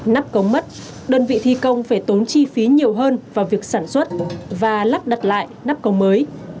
nắp cống mất đơn vị thi công phải tốn chi phí nhiều hơn vào việc sản xuất và lắp đặt lại nắp cống mới